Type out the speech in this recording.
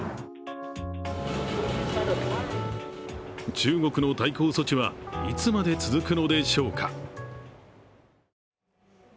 中国の対抗措置はいつまで続くのでしょうか。